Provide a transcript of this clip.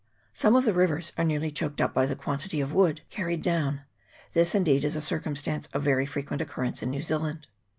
Some of the rivers are nearly choked up by the quantity of wood carried down ; this indeed is a circumstance of very frequent occurrence in New Zealand.